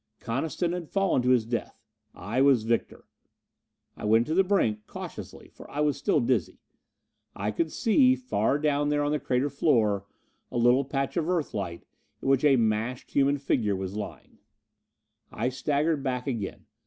Coniston had fallen to his death. I was victor. I went to the brink, cautiously, for I was still dizzy. I could see, far down there on the crater floor, a little patch of Earthlight in which a mashed human figure was lying. I staggered back again.